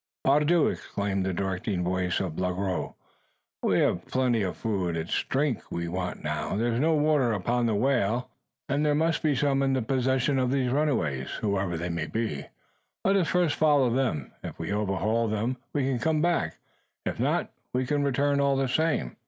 "Pardieu!" exclaimed the directing voice of Le Gros; "we have food a plenty. It's drink we want now. There's no water upon the whale; and there must be some in possession of these runaways, whoever they be. Let us first follow them! If we overhaul them, we can come back. If not, we can return all the same!"